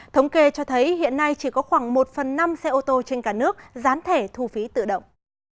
thống kê cho thấy hiện nay chỉ có khoảng một phần năm xe ô tô trên cả nước gián thẻ thu phí tự động